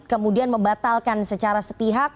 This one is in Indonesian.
kemudian membatalkan secara sepihak